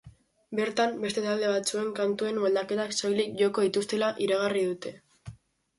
Bertan, beste talde batzuen kantuen moldaketak soilik joko dituztela iragarri dute.